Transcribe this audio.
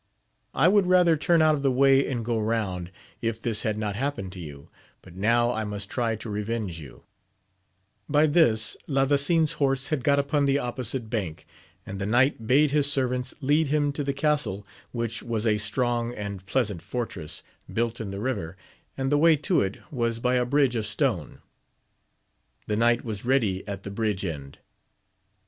I would rather turn out of the way and go round, if this had not happened to you, but now I must try to revenge you, By this, Ladasin's horse had got upon the opposite bank, and the knight bade his servants lead him to the castle, which was a strong and pleasant fortress, built in the river, and the way to it was by a bridge of stone. The knight was ready at the bridge end.